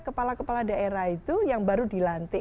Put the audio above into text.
kepala kepala daerah itu yang baru dilantik